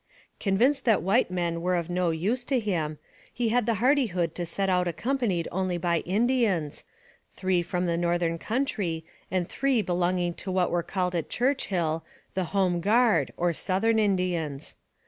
Convinced that white men were of no use to him, he had the hardihood to set out accompanied only by Indians, three from the northern country and three belonging to what were called at Churchill the Home Guard, or Southern Indians.